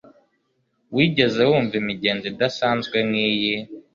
Wigeze wumva imigenzo idasanzwe nkiyi?